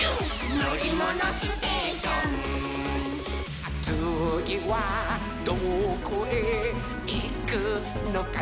「のりものステーション」「つぎはどこへいくのかなほら」